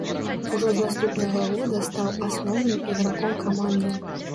Ужо з наступнага года стаў асноўным іграком каманды.